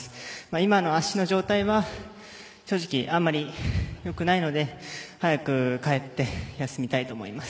今の足の状態は正直あんまり良くないので早く帰って休みたいと思います。